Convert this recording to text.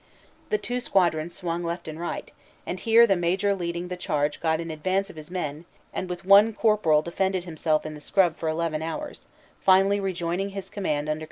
The two squadrons swung right and left, and here the major leading the charge got in advance of his men and with one corporal defended himself in the scrub for eleven hours, finally rejoining his command under cover of night.